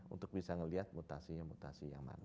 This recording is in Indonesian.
untuk bisa melihat mutasinya mutasi yang mana